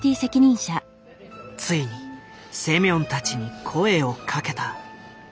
ついにセミョンたちに声をかけた。